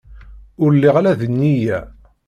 Ur lliɣ ara d nniya.